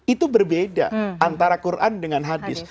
itu berbeda antara quran dengan hadis